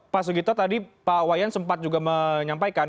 pas segitu tadi pak wayan sempat juga menyampaikan